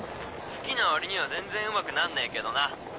好きな割には全然うまくなんねえけどな。